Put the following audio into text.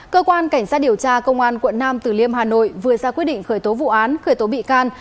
cơ quan cảnh sát điều tra công an quận nam tử liêm hà nội vừa ra quyết định khởi tố vụ án khởi tố bị can